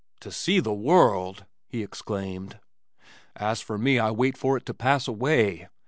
"To see the world!" he exclaimed. "As for me I wait for it to pass away.